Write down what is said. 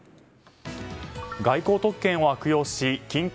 外交特権を悪用し金塊